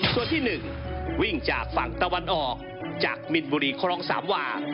ส่วนที่๑วิ่งจากฝั่งตะวันออกจากมินบุรีครองสามวา